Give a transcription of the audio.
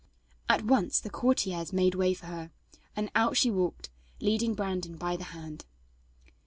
At once the courtiers made way for her, and out she walked, leading Brandon by the hand.